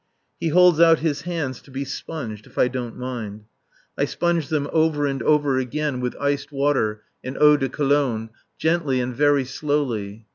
He holds out his hands to be sponged "if I don't mind." I sponge them over and over again with iced water and eau de Cologne, gently and very slowly.